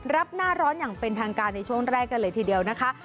รับหน้าร้อนอย่างเป็นทางการในช่วงแรกกันเลยทีเดียวนะคะ